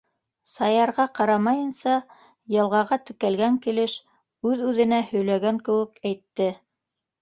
Саярға ҡарамайынса, йылғаға текәлгән килеш, үҙ-үҙенә һөйләгән кеүек әйтте.